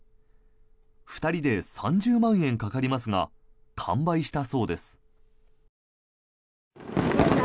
２人で３０万円かかりますが完売したそうです。